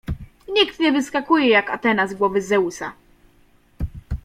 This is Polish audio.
Nikt nie wyskakuje jak Atena z głowy Zeusa.